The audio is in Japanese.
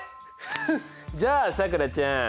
フッじゃあさくらちゃん